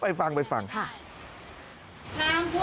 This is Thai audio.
ดูซะก่อนทำอย่างไรดี